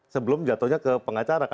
sebelum jatuhnya ke pengacara